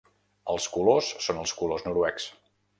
Els colors són els colors noruecs.